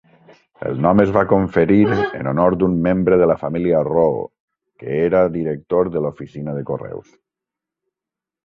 El nom es va conferir en honor d'un membre de la família Roo, que era director de l'oficina de correus.